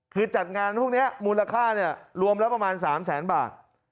คือจัดงานพวกนี้มูลค่ารวมแล้วประมาณ๓แสนบาท